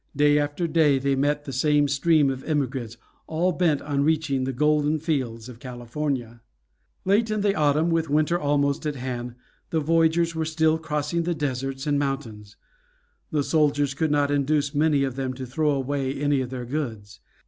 Day after day they met the same stream of emigrants, all bent on reaching the golden fields of California. Late in the autumn, with winter almost at hand, the voyagers were still crossing the deserts and mountains. The soldiers could not induce many of them to throw away any of their goods.